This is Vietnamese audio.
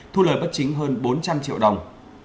thu lời bất chính hơn bốn trăm linh triệu đồng